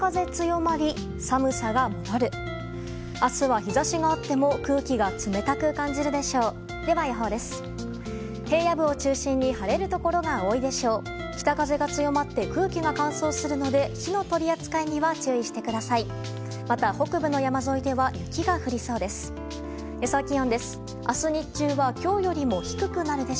また北部の山沿いでは雪が降りそうです。